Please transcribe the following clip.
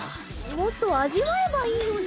もっと味わえばいいのに。